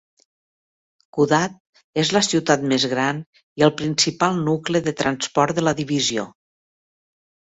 Kudat és la ciutat més gran i el principal nucli de transport de la divisió.